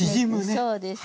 そうです。